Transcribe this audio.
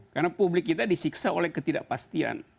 karena publik kita disiksa oleh ketidakpastian